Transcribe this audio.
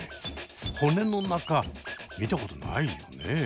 骨の中見たことないよね。